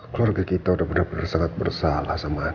keluarga kita udah bener bener sangat bersalah sama adin